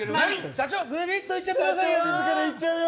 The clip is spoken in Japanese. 社長、ぐびっといっちゃってくださいよ。